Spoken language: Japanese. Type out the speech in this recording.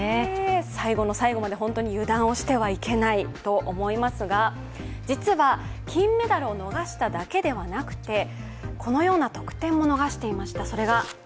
最後の最後まで本当に油断をしてはいけないと思いますが実は、金メダルを逃しただけではなくてこのような特典も逃していました。